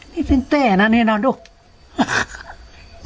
นี่ชำเต็ดนะนี่นะดู